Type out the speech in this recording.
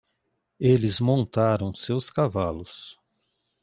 Eles montaram seus cavalos.